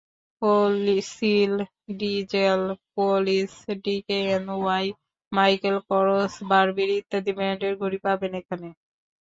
Fossil, Diesel, Police, D K N Y, Michael Kors, Burberry ইত্যাদি ব্র্যান্ডের ঘড়ি পাবেন এখানে।